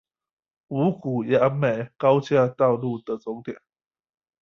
五股楊梅高架道路的終點